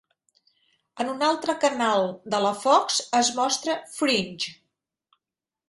En un altre canal de la Fox, es mostra "Fringe".